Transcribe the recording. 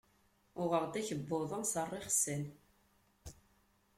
Uɣeɣ-d akebbuḍ-a s rrixsan.